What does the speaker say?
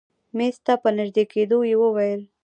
مېز ته په نژدې کېدو يې وويل.